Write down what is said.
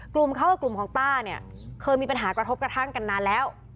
กลุ่มเขากับกลุ่มของต้าเนี่ยเคยมีปัญหากระทบกระทั่งกันนานแล้ว